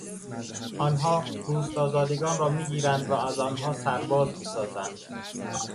آنها روستازادگان را میگیرند و از آنها سرباز میسازند.